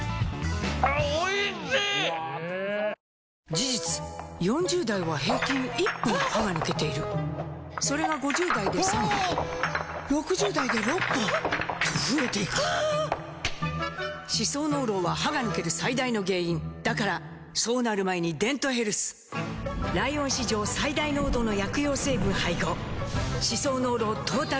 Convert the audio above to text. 事実４０代は平均１本歯が抜けているそれが５０代で３本６０代で６本と増えていく歯槽膿漏は歯が抜ける最大の原因だからそうなる前に「デントヘルス」ライオン史上最大濃度の薬用成分配合歯槽膿漏トータルケア！